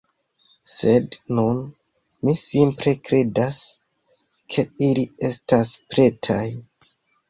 Sed nun mi simple kredas, ke ili estas pretaj